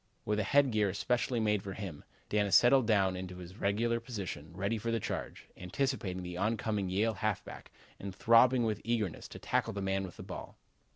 With a head gear, especially made for him, Dana settled down in his regular position, ready for the charge, anticipating the oncoming Yale halfback and throbbing with eagerness to tackle the man with the ball.